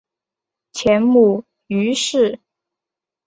前母俞氏。